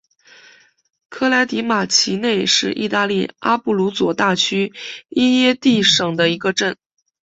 科莱迪马奇内是意大利阿布鲁佐大区基耶蒂省的一个镇。